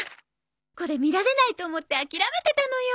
これ見られないと思って諦めてたのよ。